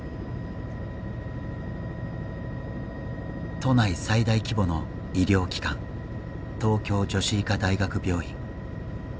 都内最大規模の医療機関東京女子医科大学病院。